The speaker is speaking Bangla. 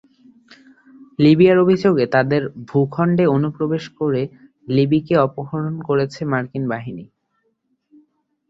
লিবিয়ার অভিযোগ, তাদের ভূখণ্ডে অনুপ্রবেশ করে লিবিকে অপহরণ করেছে মার্কিন বাহিনী।